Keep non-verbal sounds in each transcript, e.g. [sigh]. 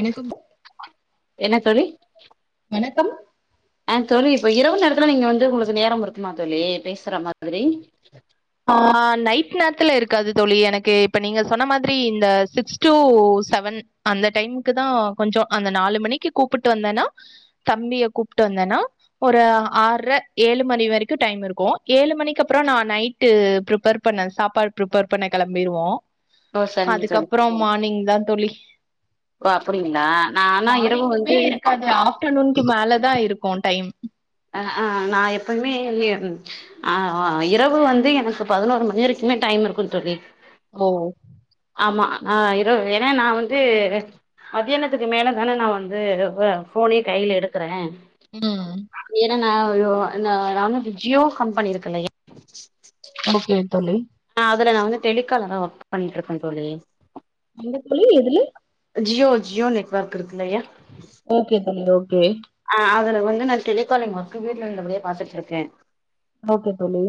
எனக்கு என்ன தோழி வணக்கம் ஆ தோழி இப்ப இரவு நேரத்துல நீங்க வந்து உங்களுக்கு நேரம் இருக்குமா தோழி பேசுற மாதிரி ஆ நைட் நேத்துல இருக்காது தோழி எனக்கு இப்ப நீங்க சொன்ன மாதிரி இந்த சிக்ஸ் டு செவன் அந்த டைமுக்குதா கொஞ்சோ அந்த நாலு மணிக்கு கூப்புட்டு வந்தன்னா தம்பிய கூப்புட்டு வந்தன்னா ஒரு ஆற ஏழு மணி வரிக்கு டைம் இருக்கு ஏழு மணிக்கப்பறோ நா நைட் ட்டு ஃப்ரிப்பேர் பண்ண சாப்பாடு ஃப்ரிப்பேர் பண்ண கெளம்பிடுவோ ஓ சரிங்க தோழி அதுக்கப்பறோ மார்னிங்தா தோழி ஓ அப்டிங்களா நா ஆனா இரவு மார்னிங்குமே வந்து இருக்காது ஆப்டனுன்க்கு மேலதா இருக்கு டை டைம் உ அ அ நா எப்புமே ஆ இரவு வந்து எனக்கு பதினொரு மணி வரைக்குமே டைம் இருக்கும் தோழி ஓ ஆமா நா இரவு ஏனா நா வந்து மத்தியானத்துக்கு மேலதான நா வந்து ஃபோனே கைல எடுக்கற ம் ஏன்னா நா நானு விஜியு கம்பெனி இருக்குல்லயா ஓக்கே தோழி அதுல நா வந்து டெலிகாலரா ஒர்க் பண்ட்ருக்க தோழி எங்க தோழி எதுல ஜியோ ஜியோ நெட்வொர்க் இருக்கில்லயா ஓக்கே தோழி ஓக்கே எனக்கு வந்து நா டெலிகாலிங் ஒர்க் வீட்ல இருந்தபடியே பாத்துட்டுருக்க ஓகே தோழி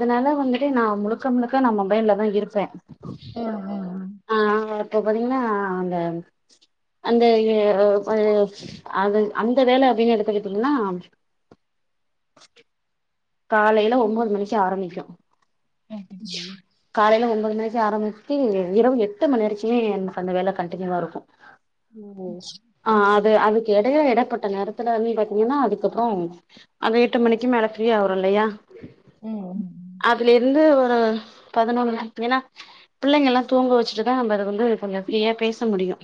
அதுனால வந்துட்டு நா முழுக்க முழுக்க நா மொபைல்லதா இருப்ப ஆ அ ஆ இப்ப பாத்தீங்கன்னா அந்த அந்த அ அந்த வேல அப்டின்னு எடுத்துக்கிட்டீங்கன்னா காலையில ஒம்போது மணிக்கு ஆரம்மிக்கு ஓகே தோழி. காலையில ஒம்போது மணி மஞ்சு ஆரம்மிச்சு இரவு எட்டு மணி வரைக்குமே எனக் அந்த வேல கண்டினியூவா இருக்கு ஓ! ஆ அது து அதுக்கு எடைய எடப்பட்ட நேரத்துல வந்து பாத்தீங்கன்னா அதுக்கப்புறோ அந்த எட்டு மணிக்கு மேல செரியா வரல்லையா ம், ம், ம். அதுல இருந்து து பதினொன்னு ஏன்னா பிள்ளைங்கெல்லா தூங்க வச்சுட்டுதா நம்ம அது வந்து கொஞ்சோ ஃப்ரீயா பேச முடியு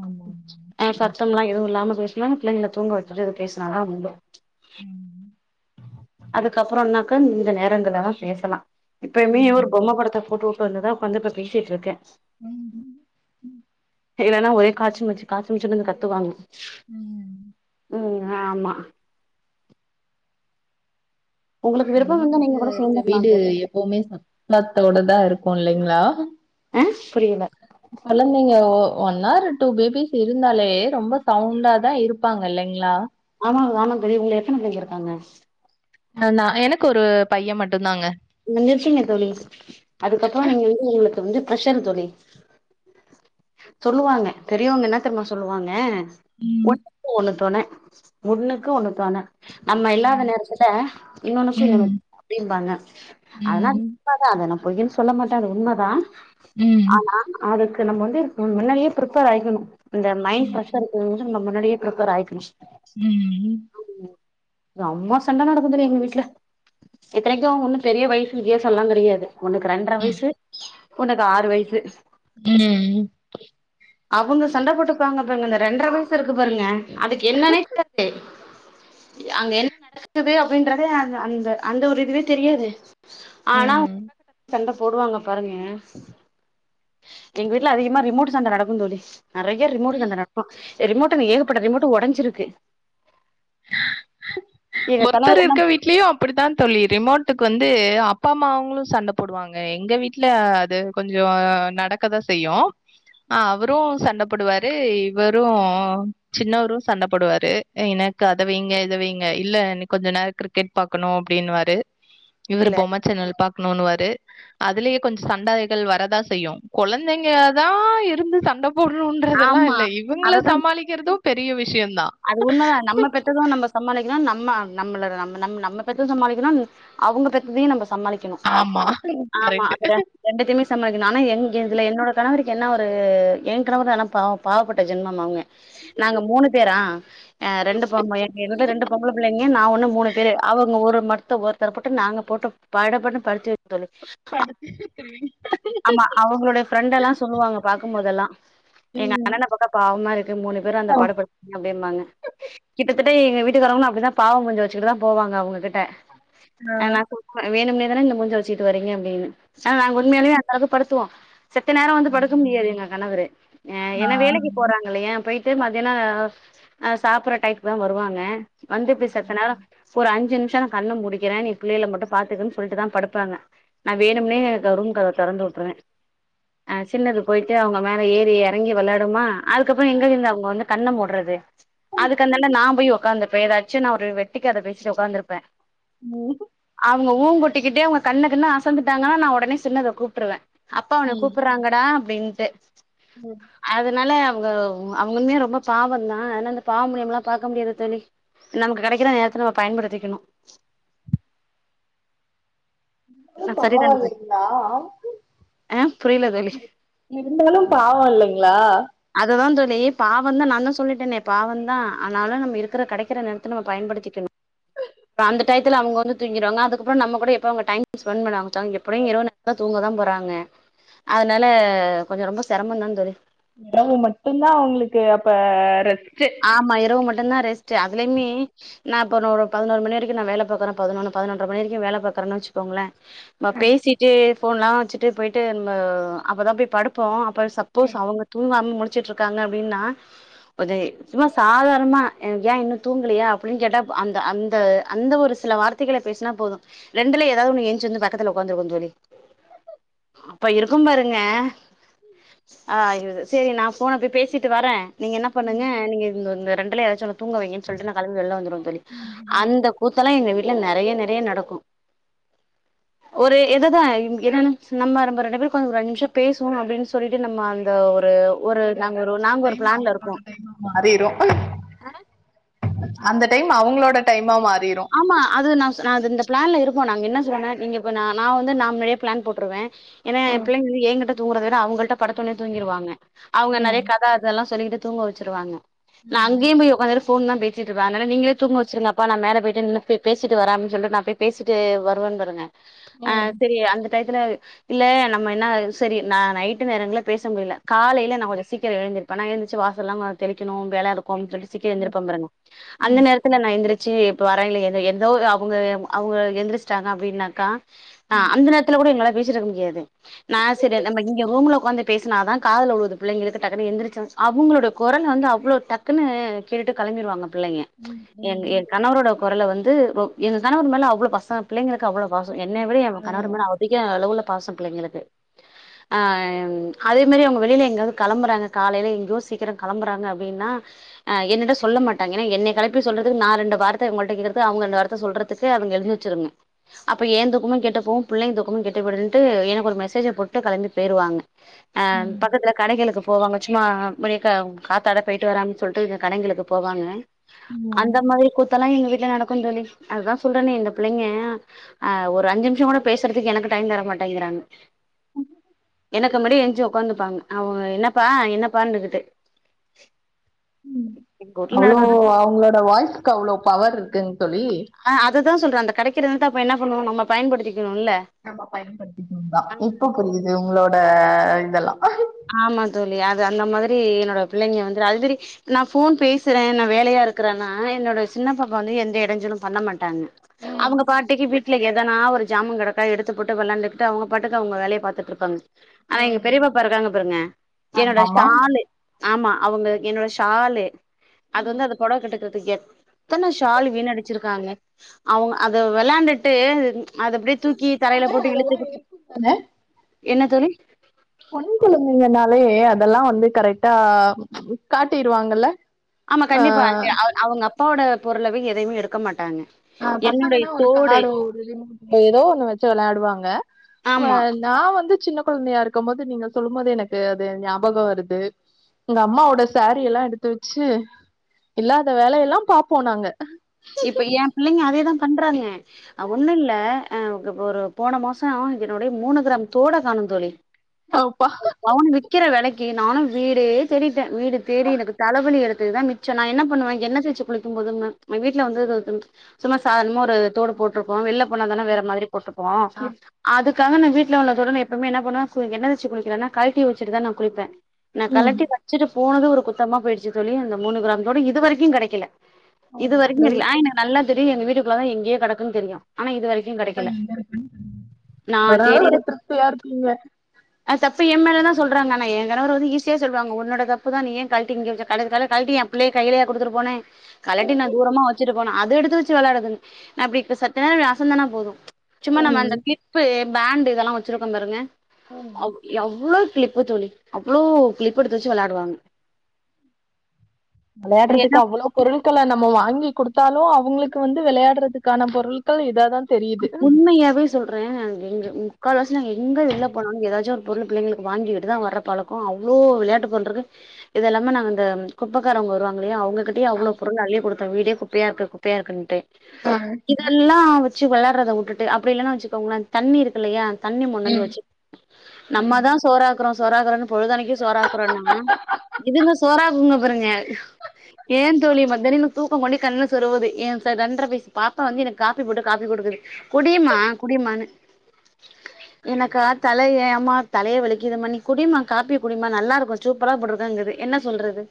ஆமா, ஆமா. ஆ சத்தம் எல்லா எதுவு இல்லாம பேஸ் [unintelligible] தூங்க வச்சுட்டு எது பேசுனாதா உண்டு ம்ச் ம் அதுக்கப்பறோம்னாக்கா இந்த நேரங்கல்லதா பேசலா இப்பயுமே இவர் ம், பொம்மப்படத்த போட்டுட் ப்ப வந்துதா ஒக்காந்து பேசிட்டுருக்க ம்ம் ம் இல்லன்னா ஒரே காச்சு மூச்சு காச்சு மூச்சுன்னு கத்துவாங்க ம் ம் ஆமா உங்களுக்கு விருப்பம் இருந்தா நீங்க கொழந்தைங்க கூட இருக்க சேந்துக்கலா வீடு தோழி எப்புமே சத்தத்தோடதா இருக் போன்ல்லைங்களா ஆ புரியல கொழந்தைங்க ஓ ஒன் ஹார் டூ பேபிஸ் இருந்தாலே ரொம்ப சவுண்டாதா இருப்பாங்க இல்லைங்களா அ ஆமாங்க தோழி உங்களுக்கு எத்தன பிள்ளைங்க இருக்காங்க ந நா எனக்கு ஒரு பைய மட்டுந்தாங்க முடிஞ்ச்சிருச்சுங்க தோழி அதுக்கப்பறோ நீங்க வந்து உங்களுக்கு வந்து பிரஷர் தோழி சொல்லுவாங்க பெரியவங்க என்ன தெரியுமா சொல்லுவாங்க ம், ஒண்ணுக்கு ஒண்ணு தொன ஒண்ணுக்கு ஒண்ணு தொன நம்ம இல்லாத ம், நேரத்துல இன்னொன்னுக்கு இன்னொன்னு ம், அப்படிபாங்க அதெல்லா ம், உண்மதா நா பொய்ன்னு சொல்ல மாட்ட அது உண்மதா ம், ஆனா அதுக் கு நம்ம வந்து முன்னாடியே பிரிப்பேர் ஆயிக்கணு இந்த மைண்ட் ம், ஃப்ரெஷர்ருக்கு நம்ம முன்னாடியே ப்ரிப்பேர் ஆயிக்கனு ம்ம் ரொம்போ சண்ட நடக்குந் தோழி எங்க வீட்ல இத்தனைக்கு ஒன்னு பெரிய வயசு வித்தியாசம்லா கெடையாது ஒன்னுக்கு ரெண்டர வயிசு ஒன்னுக்கு ஆறு வயிசு ம் அவங்க சண்ட போட்டுப்பாங்க பாருங்க இந்த ரெண்டர வயசு இருக்கு பாருங்க அதுக்கு என்னன்னே தெருது அங்க என்ன நடக்குது அப்படின்றத அ அந்த அந்த ஒரு இதுவே தெரியாது ஆனா அவங்க ம். அக்காக்கிட்ட சண்ட போடுவாங்க பாருங்க எங்க வீட்ல அதிகமா ரிமோட் சண்ட நடக்கும் தோழி நறைய ரிமோட் சண்ட நடக்கு ரிமோட்டுங்க ஏகப்பட்ட ரிமோட்டு ஒடஞ்சிருக்கு எங்க ஒருத்தர் கணவர் என்ன இருக்க வீட்லியு அப்டித்தா தோழி ரிமோட்டுக்கு வந்து அப் அப்பா அம்மாங்களு சண்ட போடுவாங்க எங்க வீட்ல அது கொஞ்சோ நடக்கதா செய்யு அ அவரு சண்ட போடுவாரு இவரு சின்னவரு சண்ட போடுவாரு எனக்கு அத வைங்க இத வைங்க இ இல்ல இன்னு கொஞ்ச நேரோ கிரிக்கெட் பாக்கணு அப்டின்னுவாரு இவரு இல்ல பொம்ம சேன்னல் பாக்கணும்னுவாரு அதுலயே கொஞ்ச சண்டைகள் வரதா செய்யு கொழந்தைங்கதா இருந்து சண்ட குழுன்றதெல்லா ஆமா இல்ல இவங்கள அததா சமாளிக்கிறது பெரிய விஷயந் அது ஒண்ணுதா நம்ம பெத்தது நம்ம சமாளிக்கணு நம்ம நம்மள நம்ம நம் நம்ம பெத்தது சமாளிக்கணு அவுங்க பெத்ததையு நம்ப சமாளிக்கணு ஆமா. ஆமா கரெக்ட். அது ரெ ரெண்டுத்தயுமே சமாளிக்கணு ஆனா என் இதுல என்னோட கணவர் என்ன ஒரு ஏன் கணவரு ஆனா பாவ பாவப்பட்ட ஜென்மம் அவங்க நாங்க மூணு பேரா ஆ ரெண்டு பொம்ப எங்க வீட்ல ரெண்டு பொம்பள பிள்ளைங்க நா ஒண்ணு மூணு பேரு அவங்க ஒரு மரத்த ஒருத்தர போட்டு நாங்க போட்டு படபடுன்னு படுத்தி படுத்துட்ருக்கறே ஆமா அவங்களுடைய ஃப்ரெண்ட் எல்லா சொல்லுவாங்க பாக்கும்போதெல்லா எங்க ம். அண்ணன பாத்தா பாவமா இரு க்கு மூணு பேரு அந்த ஓ. பாடுபடு [inaudible] அப்டிம்பாங்க கிட்டத்தட் ப்டி வீட்டுக்காரவுங்க அப்டிதா பாவோ மூஞ்ச வச்சுக்கிட்டுதா போவாங்க அவங்ககிட் ட ஆ நா சொல்வே வேணும்னே பெராண்டுன மூஞ்ச வச்சிட்டு வரீங்க அப்டின்னு ஆ நாங்க உண்மையாலுமே படுத்துவோ செத்த நேரோ வந்து படுக்க முடியாது எங்க கணவரு ஆ ஏன்னா வேலைக்கி போறாங்க இல்லையா போயிட் டு மத்தியானோ ஆ சாப்பற டயத்துக்குதா வருவாங்க வந்துப்ப இப்டி செத்த நேரோ ஒரு அஞ் சு நிமிஷோ நா கண்ண மூடிக்கிறே நீ பிள்ளைகள மட்டு பாத்துக்கன்னு சொல்ட்டுதா படுப்பாங்க நா வேணும்னே ரூம் கதவ தெறந்து விட்ருவே ஆ சின்னது போயிட்டு அவங்க மேல ஏறி எறங்கி வெளையாடுமா அதுக்கப்புறோ எங்கந்து அவங்க வந்து கண்ண மூட்றது அதுக்கு அந்தாண்ட நா போய் உக்காந்துப்பே ஏதாச்சு நா ஒரு வெட்டி கத பேசிட்டு உக்காந்துருப்பே [unintelligible] ஊங் கொட்டிக்கிட்டே அவங்க கண்ண கிண்ண அசந்துட்டாங்கனா நா உடனே சின்னத கூ ப்ட்ருவ அப்பா உன்ன ம் கூப்பட்றாங்கடா அப்டின் ட்டு ம் அதனால அவங்க அவங்களுமே ரொம்ப பாவம்தா ஆனா இந்த பாவ புண்ணியம்லா பாக்க முடியாது தோழி நமக்கு கெடைக்கிற நேரத்த நம்ம பயன்படுத்திக்கணு. இருந்தாலு பாவோ சரிதான தோழி இல்லைங்களா ஆ புரியல தோழி [unintelligible] இருந்தாலு பாவோ இல்லைங்களா ழி பாவந்தா நான்தா சொல்லிட்டனே பாவம்தா ஆனாலு நம்ம இருக்கிற கெடைக்கிற நேரத்துல நம்ம பயன்படுத்திக்கணு அப்றோ அந்த டயத்துல அவங்க வந்து தூங்கிருவாங்க அதுக்கப்றோ நம்ம கூட எப்ப அவங்க டைம் ஸ்பென்ட் பண்ண ஆரம்பிச்சா எப்படியு இரவு நேரத்துல தூங்கதா போறாங்க அதனால கொஞ்சோ ரொம்ப செரமந்தா தோழி இரவு மட்டுந்தா அவங்களுக்கு அப்ப ரெஸ் ஆமா இரவு மட் டுந்தா ரெஸ்ட்டு அதுலயுமே நா இப்ப இன்ன ஒரு ஒரு பதினோரு மணி வரைக்கு நா வேல பாக்குறே பதினொன்னு பதினொன்ற மணி வரைக்கு வேல பாக்குறேன்னு வச்சுக்கோங்களே நம்ம பேசிட்டு ஃபோன்லா வச்சுட்டு போய்ட்டு இன்ம அப்பதா போய் படுப்போ அப் ப சப்போஸ் அவுங்க தூங்காம முழி ச்சுட்ருக்காங்க அப்டின்னா ஒதே சும்மா சாதாரணமா ஏ இன்னு தூங்கலயா அப்டின் கேட்டாப் அந்த அந்த அந்த ஒரு சில வார்த்தைகள பேசுனா போது ரெண்டுல எதாது ஒன்னு என்ச்சு வந்து பக்கத்துல ஒக்காந்துருக்கு தோழி அப்போ இருக்கும் பாருங்க ஆ சேரி நா ஃபோன போய் பேசிட்டு வரே நீங்க என்ன பண்ணுங்க இந்துந்த ரெண்டுல எதாச்சு ஒன்னு தூங்க வைங்கன் சொல்ட்டு நா களம்பி வெள்ல வந்துருவந்தோழி அந்த கூத்தல்லா எங்க வீட் இல்ல நெறைய நெறைய நடக்கு ஒரு எதுதா இங் என்னன நம்ம நம்ம ரெண்டு பேர் ஒக்காந்து ஒரு அஞ்சு நிமிஷ பேசுவோ அப்டின் சொல்லிட்டு நம்ம அந்த ஒ ரு ஒரு நாங்க ஒரு நாங்க ஒரு டைம் ப்ளான்ல அவங்களோட இருப்போ டைமா மாறிரு அந் த டைம் அவுங்களோட டைமா மா ஆமா அது நா நா அது இந்த ப்ளான்ல இரு ப்போ நாங்க என்ன சொல்றனா நீங்க இப்ப நா நா வந்து நா முன்னடியே ப்ளான் போட்ருவே எனா ஏ பிள்ளைங்கந்து ஏங்கிட்ட தூங்குறத விட அவுங்கள்ட படுத்தொனெ தூங்கிருவாங்க அவுங்க ம் நறைய கத அதல்லா சொல்லிக்கிட்டு தூங்க வச்சுருவாங்க நா அங்கயும் போய் ஒக்காந்துட்டு ஃபோன் தா பேசிட்ருப்ப அத்னால நீங்களே தூங்க வச்சுருங்கப்பா நா மேல போய் என்ன பே பேசிட்டு வரே அப்டின் சொல்ட்டு நாப்பே பேசிட்டு வருவன் [unintelligible] ஆ ம் செரி அந்த டைத்துல இல்ல நம்ம என்ன செரி ந நைட்டு நேரங்கல பேச முடில காலைல நா கொஞ்சொ சீக்கிரொ எழுந்திரிப்பனா எழுத்துருச்சு வாசல்லா தெளிக்கணு வேலயா இருக் கொம் சொல்ட்டு சீக்கிர எந்திரிப்பம் பாருங்க அந்த ம் நேரத்துல நா எந்திரி ச்சு இப்ப வரைல எது எதோ அவுங்க அவுங்க எந்திரிச்டாங்க அப்டின்னாக்கா ஆ அந்த நேரத்துல கூட எங்ளால மீச்சுட்ருக்க முடியாது நா செரி நம்ம இங்க ரூம்ல ஒக்காந்து பேசுனாதா காதுல உழுது புள்ளைங்களுக்கு டக்குனு எந்திருச்சு அவுங்களோட கொரல் வந்து அவ்ளோ டக்குனு கேட்டுட்டு கெளம்பிருவாங்க பிள்ளைங்க என் எ கணவரோட கொரல வந்து வ எங்க கணவர் மேல அவ்ளொ பசங்க பிள்ளங்களுக்கு அவ்ளோ பாசொ என்னய விட ஏ கணவர் மேல அதிக அளவுல பாசம் பிள்ளெங்களுக்கு ஆ எம் அதே மாரி அவுங்க வெளில எங்காவ்து கெளம்புறாங்க காலைல எங்யோ சீக்கிரொ கெளம்புறாங்க அப்டின்னா ஆ என்னுட்ட சொல்ல மாட்டாங்க எனா என்னய கெளப்பி சொல்றதுக்கு நா ரெண்டு வார்த் த்த உங்கள்ட கேக்குறது அவுங்க அந்த வார்த்த சொல்றதுக்கு அவுங்க எழுதி வச்சுருங்க அப்போ ஏந்தூக்கமு கெட்டு போவு புள்ளைங்க தூக்கமு கெட்டு போயிடுன்ட்டு எனக்கு ஒரு மெசேஜ போட்டு கெளம்பி பொயிருவாங்க அ ம் பக்கத்துல கடைகளுக்கு போவாங்க சும்மா [unintelligible] காத்தாட போய்ட்டு வரே அபின் சொல்ட்டு இந்த கடைங்களுக்கு போவாங்க ம் அந்த மாதிரி குத் அதெல்லா எங்க வீட்ல நடக்கும் தோழி அதா சொல்றன்னே இந்த புள்ளைங்க ஆ ஒரு அஞ்சு நிம்ஷோ கூட பேசுறதுக்கு எனக்கு டைம் தரமாட்டேங்கிறாங்க எனக்கு முடி எஞ்சு உக்காந்துப்பாங்க அவங்க என்னப்பா என்னப்பா இருந்துக்கிட்டு ம் அவ்ளோ அவங்களோட வாய்ஸ்க்கு அவ்ளோ பவர் இருக்குங் தோழி கிருந்தா அப்ப என்ன பண்ணுவோ நம்ம பயன்படுத்தீ நம்ம பயன்படுத்திக்குனும்தா இப்ப புரியுது உங்களோட இதெல்லா ஆமா தோழி அது அந்த மாதிரி என்னோட புள்ளைங்க வந்துட்டு ஆல்ரெடி நா ஃபோன் பேசுற நா வேலையா இருக்கறன்னா என்னோட சின்னப்பாப்பா வந்து எந்த எடஞ்சலும் பண்ண மாட்டாங் ம் அவங்க பாட்டிக்கு வீட்ல ஏதனா ஒரு ந்த ஜாமங் கேடக்க எடுத்து போட்டு விளாண்டுட்டு அவங்க பாட்டுக்கு அவங்க வேலய பாத்துட்டு இருப்பாங்க ஆனா எங்க ம் பெரியப்பாப் பா இருக்காங்க பாருங்க என்னோட ஆமாமா ஸ்சாலு ஆமா அவங்க என்னோட ஷாலு அது வந்து அது பொடவ கெட்டுறதுல தூக்கியாச் எத்தன ஷால் வீன் அடிச்சிருக்காங்க அவங்க அத விளாண்டுட்டு அது அப்டியே தூக்கி தரையில போட்டு அதெல்லா இழுத்து இருக்குந்தான என்ன தோழி பொண்ணுங்கங்கனாலே அதெல்லா வந்து கரெக்டா காட்டிருவாங்கல்ல ஆமா ஆ கண்டிப்பா அ அவுங்க அப்பாவோட பொருளவே எதயுமே எடுக்க மாட்டாங்க ஆ என்னுடைய பசங்கன்னா ஒரு தோடு காரோ ஒரு ஏதோ ஒண்ணு வச்சு வெளையாடுவாங்க ஆமா நா வந்து சின்ன கொழந்தையா இருக்கும் போது நீங்க சொல்லும் போது எனக்கு அது ஞாபகோ வருது எங்க அம்மாவோட சாரீ எல்லா எடுத்து வச்சு இல்லாத வேலையெல்லாம் பாப்போம் நாங்க இப்ப ஏம் புள்ளைங்க அதேதா பண்றாங்க ஒண்ணு இல்ல அ ஒரு போன மாசோ என்னுடைய மூணு கிராம் தோட காணோம் தோழி அப்பா பவுன் விக்கிற வெலைக் கே நானும் வீடே தேடி வீடு தேடி எனக்கு தலவலி எடுத் துதா மிச்சோ நா என்ன பண்ணுவ என்ன தேச்சு குளிக்கும் போதுன்னு வீட்ல வந்து சும்மா சாதனமா ஒரு தோடு போட்டுருப்போ வெள்ல போனாதான வேற ம் மாதிரி போட்டுருப்போ அதுக் க்காங்க நா வீட்ல உள்ள தோட நா எப்பவுமே என்ன பண்ணுவ எண்ண வச்சு குளிக்குறனா கழ்ட்டி வச்சுட்டுதா நா குளிப்ப நா கலட்டி வச்சுட்டுப் போனது ஒரு குத்தமா போயிடுச்சு தோழி அந்த மூணு கிராம் தோடு இது வரைக்கும் கெடைக்கல இது வரைக்கும் கெடைக்கள ஆயினு நல்லா தெரியு எங்க வீட்டு குல்லதா எங்கயோ கெடக்குன் தெரியு ஆனா இது வரைக்கு கெடைக்கல ங்க இரு நா அதனலா தேடிட்டு ஒரு திருப்தியா இருப்பீங்க எம்மேலா தான் சொல்றாங்க ஆன என் கணவர் வந்து ஈஸியா சொல்லுவாங்க உன்னோட தப்பு தான் நீ ஏன் கழட்டி இங்க வச்ச கழட்டி என் பிள்ளைங்க கைலயா குடுதுட்டு போன ட்டி நா தூரமா வச்சுட்டு போன அது எடுத்து வச்சு விளையாடுதுங்க நா செத்த நேரம் இப்டி அசேதேன போதும் சும்மா நம்ம அந்த ம் கிளிப் பேண்ட் இதெல்லா வச்சிருக்கோ பாருங்க ம் அவ் எவ்ளோ கிளிப் தோழி அவ்ளோ கிளிப் எடுத்து வச்சி வெளயாடுவாங்க விளையாடுறதுக்கு அவ்ளோ பொருள் கள நம்ம வாங்கி கொடுத்தாலு அவங்களுக்கு வந்து விளையாடுறதுக்கான பொருட்கள் இத தா உண்மையாவே சொல்றேன் எங்க எங்க முக்கால் வாசி நாங்க எங்க வெளில போனாலும் எதாச்சும் பொருள் பிள்ளைங்களுக்கு வாங்கிட்டு தான் வர்ற பழக்கம் அவ்வளோ விளையாட்டு பொருளிருக்கு இது எல்லாமே நாங்க இந்த குப்பக்காரங்க வருவாங்களையா அவங்க கட்டி அவ்ளவு பொருள் அள்ளி கொடு வீடே குப்பையா இருக்கு குப்பையா இருக்கு ஆ இதெல்லா வச்சு விளாரத விட்டுட்டு அப்டி இல்லைன்னா வச்சுக்கோங்கள தண்ணி இருக்கு இல்லையா தண்ணி முன்னாந்து ம் வச்சு நம்ம ம். தான் சோறாக்கனு அப்புறோ சோராகிறா பொழுதானக்க சோறாக்குறோம்னா இதுங்க சோறக்குங்க ங்க ஏன் தோழி மத்தரு இன்னு தூக்கம் கொண்டே கண்ணு சொருவது என் ரெண்டற வயசு பாப்பா வந்து என காப்பி போட்டு காப்பி கொடுக்குது குடிமா குடிமானு எனக்கா தலைய அம்மா தலைய வலிக்குதும்மா குடிமா காப்பி குடிமா நல்லா இருக்கும் சூப்பரா போட்டுருக்கங்குது என்ன சொல்றது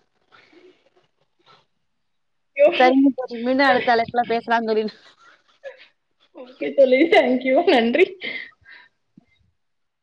செரிங்க தோழி மீண்டும் அடுத்த அலைப்ல பேசலாம் தோழி ஓகே தோழி தேங்க்யூ நன்றி